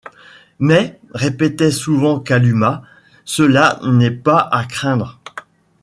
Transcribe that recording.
Mais, répétait souvent Kalumah, cela n’est pas à craindre.